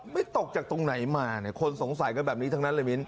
ตกจากตรงไหนมาเนี่ยคนสงสัยกันแบบนี้ทั้งนั้นเลยมิ้น